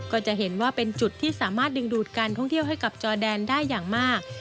ก็จะเห็นว่าเป็นจุดที่สามารถดึงดูดการท่องเที่ยวให้กับจอแดนได้อย่างมาก